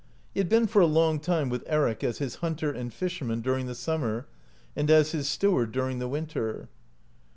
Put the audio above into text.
He had been for a long time with Eric as his hunter and fisherman during the summer, and as his steward during the winter.